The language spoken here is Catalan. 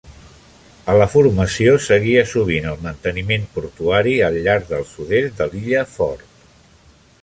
A la formació seguia sovint el manteniment portuari al llarg del sud-est de l'illa Ford.